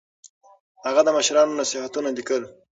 هغه د مشرانو نصيحتونه ليکل.